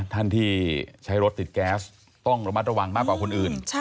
ท่านที่ใช้รถติดแก๊สต้องระมัดระวังมากกว่าคนอื่น